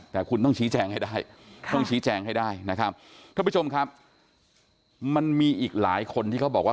แต่คุณต้องชี้แจงให้ได้ทุกผู้ชมครับมันมีอีกหลายคนที่เขาบอกว่า